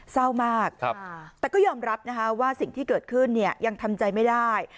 เศร้ามากแต่ก็ยอมรับนะคะว่าสิ่งที่เกิดขึ้นยังทำใจไม่ได้